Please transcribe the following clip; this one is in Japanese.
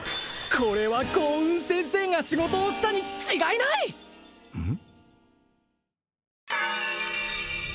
これは豪運先生が仕事をしたに違いないうん？